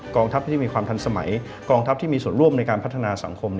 ทัพที่จะมีความทันสมัยกองทัพที่มีส่วนร่วมในการพัฒนาสังคม